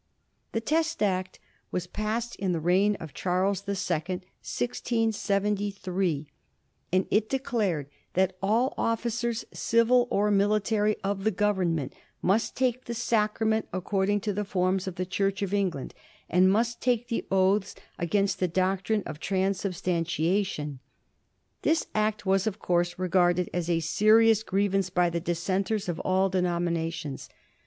The Test Act was passed in the reign of Charles the Second, 1673, and it declared that all officers, civil or military, of the Government must take the sacrament according to the forms of the Church of England, and must take the oaths against the doctrine of transub stantiation. This Act was, of course, regarded as a serious grievance by the Dissenters of all denominations.